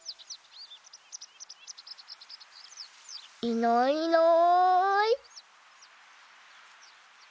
いないいない。